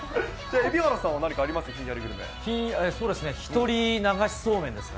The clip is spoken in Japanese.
蛯原さんは何かあります？